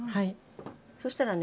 そしたらね